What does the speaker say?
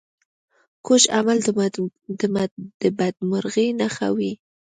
کوږ عمل د بدمرغۍ نښه وي